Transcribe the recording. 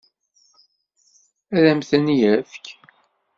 Ad m-ten-yefk?